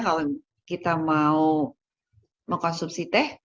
walaupun kita mau mengonsumsi teh